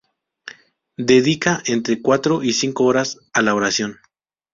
Dedica entre cuatro y cinco horas a la oración.